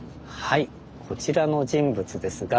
はいこちらの人物ですが。